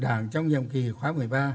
đảng trong nhiệm kỳ khóa một mươi ba